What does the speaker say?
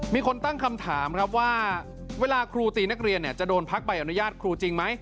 มีคนตั้งคำถามครับว่าเวลาครูตีนักเรียนจะโดนพักใบอนุญาตครูจริงไหม